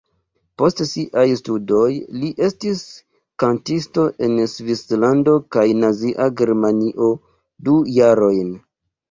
Post siaj studoj li estis kantisto en Svislando kaj Nazia Germanio du jarojn.